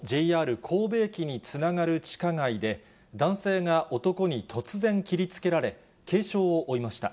きょう正午過ぎ、兵庫県神戸市のＪＲ神戸駅につながる地下街で、男性が男に突然切りつけられ、軽傷を負いました。